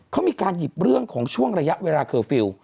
เขามีการหยิบเรื่องของช่วงระยะเวลาเคอร์ฟิลล์